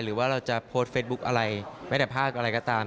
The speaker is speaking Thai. หรือว่าเราจะโพสต์เฟซบุ๊กอะไรแม้แต่ภาพอะไรก็ตาม